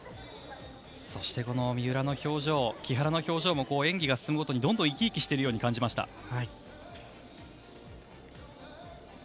そして、この三浦の表情木原の表情も演技が進むごとにどんどん生き生きしてるように感じました。